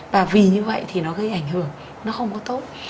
và vì như vậy thì nó gây ảnh hưởng nó không có tốt